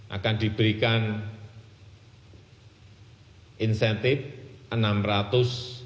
akan diberikan insentif rp enam ratus